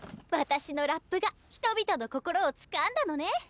私のラップが人々の心をつかんだのね。